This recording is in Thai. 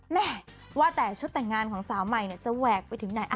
แม่ว่าแต่ชุดแต่งงานของสาวใหม่จะแหวกไปถึงไหน